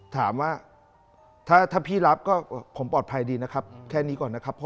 ถามว่าถ้าพี่รับก็ผมปลอดภัยดีนะครับ